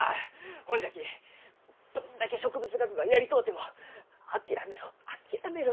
ほんじゃきどんだけ植物学がやりとうても「諦めろ諦めろ」